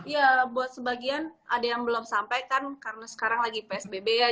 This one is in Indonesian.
ya buat sebagian ada yang belum sampai kan karena sekarang lagi psbb ya